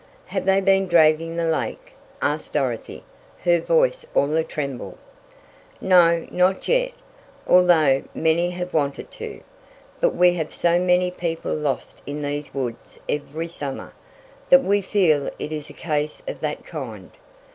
"Have they been dragging the lake?" asked Dorothy, her voice all a tremble. "No, not yet, although many have wanted to. But we have so many people lost in these woods every summer, that we feel it is a case of that kind.